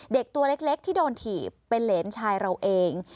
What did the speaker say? เด็กตัวเล็กที่โดนถีบเป็นเหรนชายเราเอง